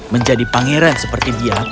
menjadi pangeran seperti dia